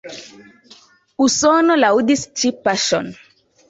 Usono laŭdis ĉi paŝon.